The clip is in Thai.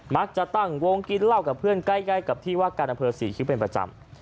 มักจะตั้งวงกินเหล้ากับเพื่อนใกล้กับที่ว่าการอำเภอศรีคิ้วเป็นประจำ